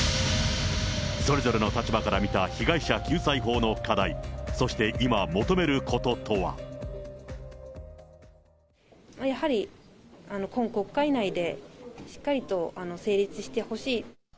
それぞれの立場から見た被害者救済法の課題、やはり、今国会内で、しっかりと成立してほしい。